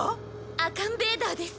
アカンベーダーです。